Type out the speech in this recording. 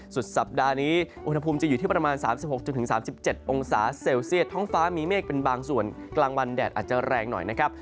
สุดสัปดาห์นี้อุณหภูมิจะอยู่ที่ประมาณ๓๖๓๗องศาเซลเซียตท้องฟ้ามีเมฆเป็นบางส่วนกลางวันแดดอาจจะแรงหน่อยนะครับ